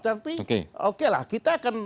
tapi oke lah kita akan